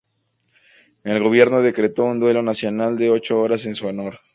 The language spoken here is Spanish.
El gobierno decretó un duelo nacional de ocho horas en su honor.